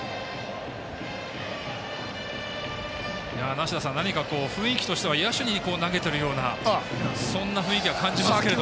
梨田さん何か雰囲気としては野手に投げてるようなそんな雰囲気を感じますけどね。